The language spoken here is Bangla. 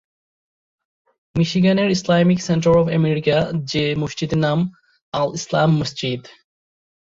মিশিগানের ইসলামিক সেন্টার অব আমেরিকা যে মসজিদের নাম আল-ইসলাহ মসজিদ।